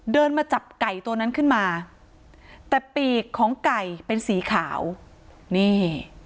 เดินมาจับไก่ตัวนั้นขึ้นมาแต่ปีกของไก่เป็นสีขาวนี่